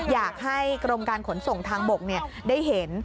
อยากให้กรมการขนส่งทางบกได้เห็น